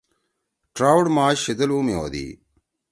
ٹراوٹ ماش شیدل اُو می ہودی۔